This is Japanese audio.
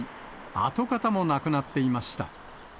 跡形もなくなっていました。